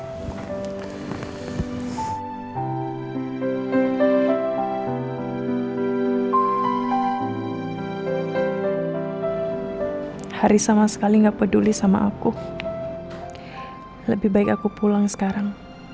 hai hari sama sekali nggak peduli sama aku lebih baik aku pulang sekarang